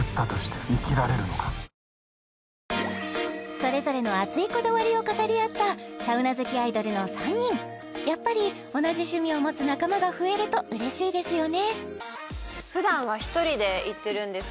それぞれの熱いこだわりを語り合ったサウナ好きアイドルの３人やっぱり同じ趣味を持つ仲間が増えるとうれしいですよね